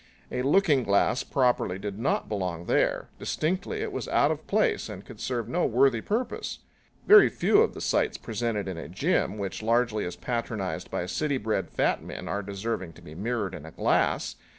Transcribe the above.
A looking glass properly did not belong there; distinctly it was out of place and could serve no worthy purpose. Very few of the sights presented in a gym which largely is patronized by city bred fat men are deserving to be mirrored in a glass.